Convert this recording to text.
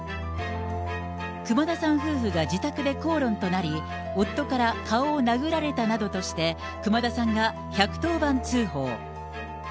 熊田さん夫婦が自宅で口論となり、夫から顔を殴られたなどとして、熊田さんが１１０番通報。